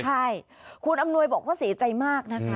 ใช่คุณอำนวยบอกว่าเสียใจมากนะคะ